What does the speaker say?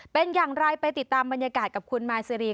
เป็นอย่างไรไปติดตามบรรยากาศกับคุณมายซีรีส